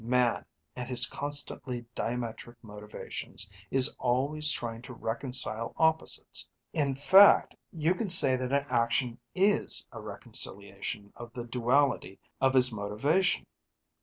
Man, and his constantly diametric motivations, is always trying to reconcile opposites. In fact, you can say that an action is a reconciliation of the duality of his motivation.